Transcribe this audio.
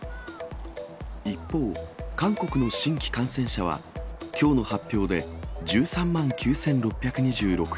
一方、韓国の新規感染者は、きょうの発表で１３万９６２６人。